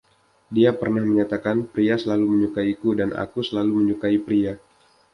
Dia pernah menyatakan, pria selalu menyukaiku dan aku selalu menyukai pria.